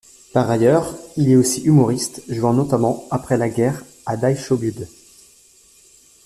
Par ailleurs, il est aussi humoriste, jouant notamment après la guerre à Die Schaubude.